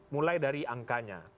mulai dari angkanya